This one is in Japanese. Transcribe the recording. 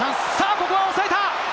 ここはおさえた！